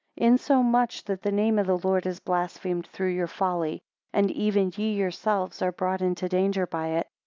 26 Insomuch that the name of the Lord is blasphemed through your folly; and even ye yourselves are brought into danger by it.